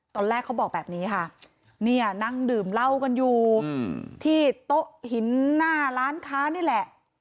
ตอนแรกเขาบอกแบบนี้ค่ะเนี่ยนั่งดื่มเหล้ากันอยู่ที่โต๊ะหินหน้าร้านค้านี่แหละ